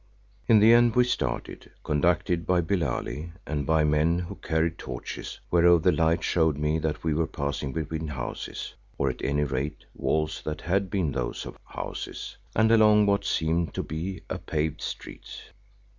In the end we started, conducted by Billali and by men who carried torches whereof the light showed me that we were passing between houses, or at any rate walls that had been those of houses, and along what seemed to be a paved street.